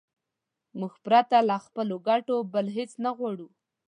موږ پرته له خپلو ګټو بل هېڅ نه غواړو.